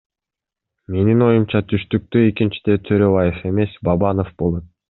Менин оюмча түштүктө экинчиде Төрөбаев эмес Бабанов болот.